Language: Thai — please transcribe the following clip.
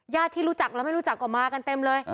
ญาติที่รู้จักแล้วไม่รู้จักก็มากันเต็มเลย